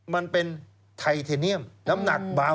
มันเป็นไทเทเนียมน้ำหนักเบา